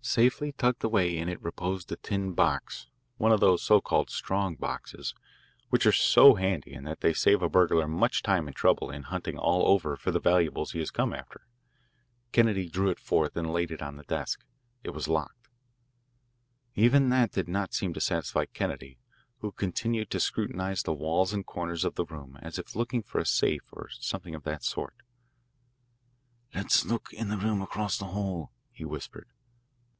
Safely tucked away in it reposed a tin box, one of those so called strong boxes which are so handy in that they save a burglar much time and trouble in hunting all over for the valuables he has come after. Kennedy drew it forth and laid it on the desk. It was locked. Even that did not seem to satisfy Kennedy, who continued to scrutinise the walls and corners of the room as if looking for a safe or something of that sort. "Let's look in the room across the hall," he whispered.